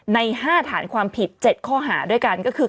ใน๕ฐานความผิด๗ข้อหาด้วยกันก็คือ